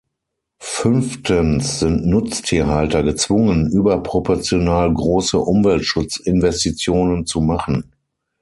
Fünftens sind Nutztierhalter gezwungen, überproportional große Umweltschutzinvestitionen zu machen.